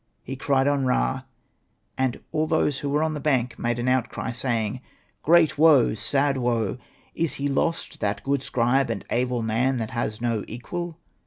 He cried on Ra ; and all those who were on the bank made an outcry, saying, * Great woe ! Sad woe ! Is he lost, that good scribe and able man that has no equal